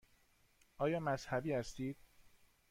آیا مذهبی هستید؟